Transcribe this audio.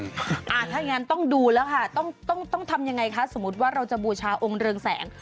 ถ้าอย่างนั้นต้องดูแล้วค่ะต้องทำยังไงคะสมมุติว่าเราจะบูชาองค์เรืองแสง